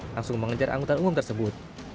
langsung mengejar angkutan umum tersebut